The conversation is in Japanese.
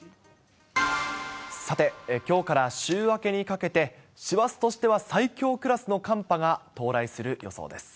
さて、きょうから週明けにかけて、師走としては最強クラスの寒波が到来する予想です。